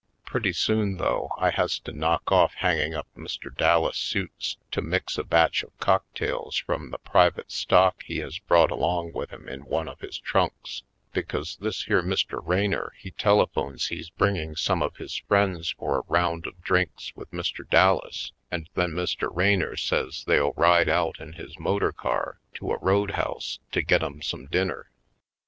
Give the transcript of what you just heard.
Pretty soon, though, I has to knock off hanging up Mr. Dallas' suits to mix a batch of cocktails from the private stock he has brought along with him in one of his trunks, because this here Mr. Raynor he telephones he's bringing some of his friends for a round of drinks with Mr. Dallas and then Mr. Raynor says they'll ride out in his motor car to a road house to get 'em some dinner.